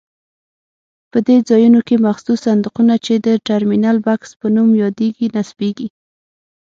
په دې ځایونو کې مخصوص صندوقونه چې د ټرمینل بکس په نوم یادېږي نصبېږي.